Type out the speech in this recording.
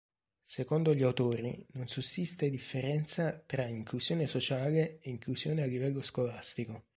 Secondo gli autori non sussiste differenza tra inclusione sociale e inclusione a livello scolastico.